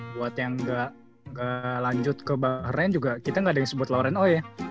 buat yang gak lanjut ke bahrain juga kita nggak ada yang sebut lawarin oh ya